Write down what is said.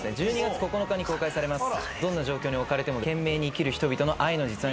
どんな状況に置かれても懸命に生きる人々の愛の実話になっております。